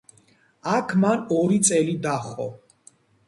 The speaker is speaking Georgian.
აქ მან ორი წელი დაჰყო.